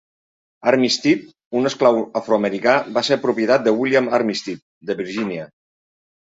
Armistead, un esclau afroamericà, va ser propietat de William Armistead de Virgínia.